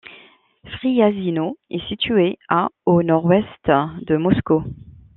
Friazino est située à au nord-est de Moscou.